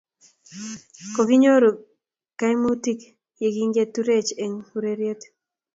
kokinyoru kaimutuk ye kingeturech eng' ureryet.